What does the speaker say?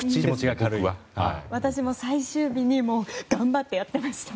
私も最終日に頑張ってやってました。